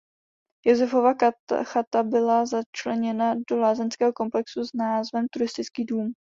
Josefova chata byla začleněna do lázeňského komplexu s názvem "Turistický dům".